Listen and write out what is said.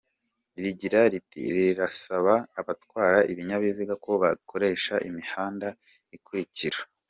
Rigira riti “Turasaba abatwara ibinyabiziga ko bakoresha imihanda ikurikira.